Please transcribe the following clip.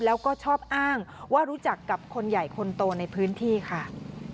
แล้วก็ชอบอ้างว่ารู้จักกับคนใหญ่คนโตในพื้นที่ค่ะ